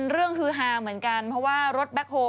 เรื่องฮือหาเหมือนกันเพราะว่ารถแบคโฮล์